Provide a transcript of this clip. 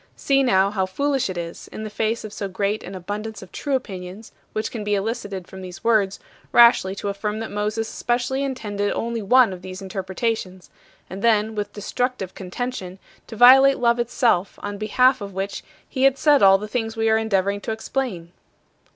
See now, how foolish it is, in the face of so great an abundance of true opinions which can be elicited from these words, rashly to affirm that Moses especially intended only one of these interpretations; and then, with destructive contention, to violate love itself, on behalf of which he had said all the things we are endeavoring to explain!